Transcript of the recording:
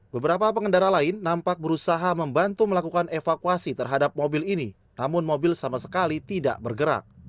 beberapa pengendara lain nampak berusaha membantu melakukan evakuasi terhadap mobil ini namun mobil sama sekali tidak bergerak